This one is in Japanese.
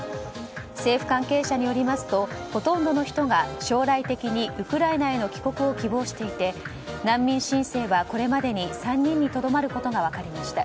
政府関係者によりますとほとんどの人が将来的にウクライナへの帰国を希望していて、難民申請はこれまでに３人にとどまることが分かりました。